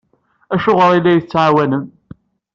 Acuɣer i la iyi-tettɛawanem?